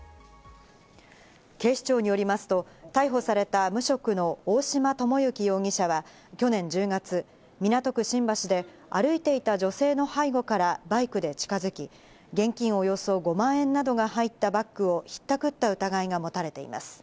警視庁によりますと、逮捕された無職の大島智幸容疑者は去年１０月、港区新橋で歩いていた女性の背後からバイクで近づき、現金およそ５万円などが入ったバッグをひったくった疑いが持たれています。